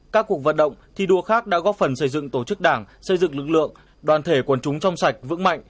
các cuộc vận động thi đua khác đã góp phần xây dựng tổ chức đảng xây dựng lực lượng đoàn thể quần chúng trong sạch vững mạnh